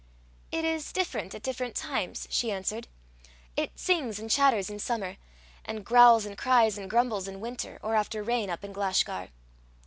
"It is different at different times," she answered. "It sings and chatters in summer, and growls and cries and grumbles in winter, or after rain up in Glashgar."